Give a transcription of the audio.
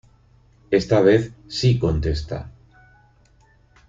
Esta vez sí contesta.